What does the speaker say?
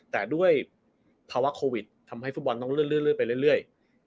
แต่ด้วยภาวะโควิดทำให้ฟุตบอลต้องเลื่อนไปเรื่อย